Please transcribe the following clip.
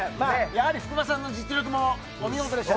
福場さんの実力もお見事でした。